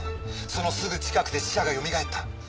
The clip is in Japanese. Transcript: そのすぐ近くで死者がよみがえった。